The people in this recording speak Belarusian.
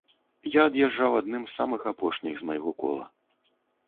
Я ад'язджаў адным з самых апошніх з майго кола.